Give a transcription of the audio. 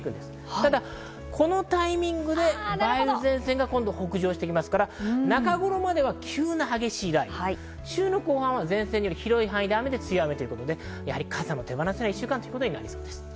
ただ、このタイミングで梅雨前線が北上してきますから、中頃までは急な激しい雷雨、週の後半は広い範囲で雨ということで傘の手放せない一週間となりそうです。